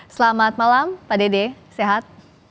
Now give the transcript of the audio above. selamat malam pak dede sehat